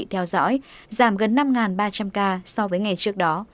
theo dõi giảm gần năm ba trăm linh ca so với ngày trước đó